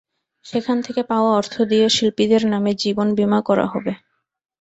সেখান থেকে পাওয়া অর্থ দিয়ে শিল্পীদের নামে জীবনবিমা করা হবে।